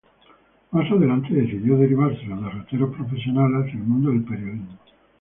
Más adelante, decidió derivar sus derroteros profesionales hacia el mundo del Periodismo.